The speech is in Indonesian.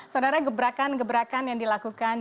saudara gebrakan gebrakan yang dilakukan